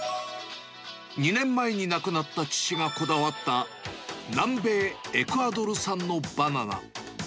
２年前に亡くなった父がこだわった、南米エクアドル産のバナナ。